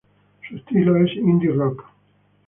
Su estilo es Indie rock.